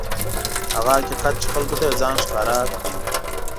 هغه حقیقت چې خلکو ته یې ځان ښکاره کړی.